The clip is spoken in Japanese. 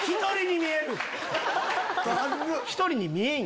１人に見える！